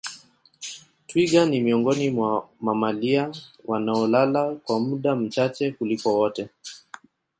Twiga ni miongoni mwa mamalia wanaolala kwa muda mchache kuliko wote